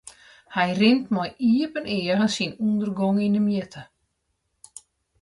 Hy rint mei iepen eagen syn ûndergong yn 'e mjitte.